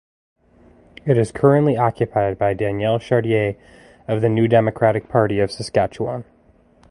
It is currently occupied by Danielle Chartier of the New Democratic Party of Saskatchewan.